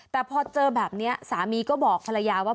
แต่พอเจอแบบนี้สามีก็บอกภรรยาว่า